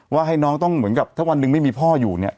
ให้น้องต้องเหมือนกับถ้าวันหนึ่งไม่มีพ่ออยู่เนี่ย